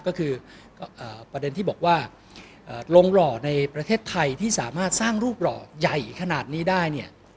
ก็คือประเด็นที่บอกว่าลงหล่อในประเทศไทยที่สามารถสร้างรูปหล่อใหญ่ขนาดนี้ได้เนี่ย